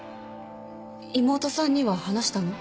妹さんには話したの？